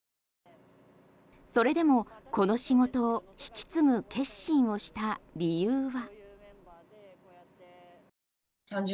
それでも、この仕事を引き継ぐ決心をした理由は。